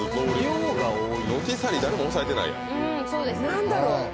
何だろう？